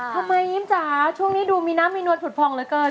ทำไมยิ้มจ๋าช่วงนี้ดูมีน้ำมีนวลผุดผ่องเหลือเกิน